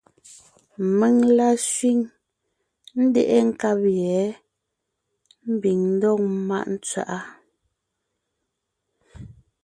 Mèŋ la sẅîŋ, ńdeʼe nkab yɛ̌ ḿbiŋ ńdɔg ḿmáʼ tswaʼá.